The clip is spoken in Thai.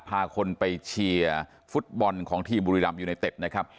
พาคนไปเชียร์ฟุตบอลของทีมบุรีรัมยูไนเต็ดนะครับ